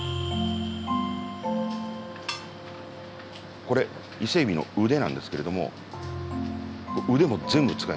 これ伊勢海老の腕なんですけれども腕も全部使います。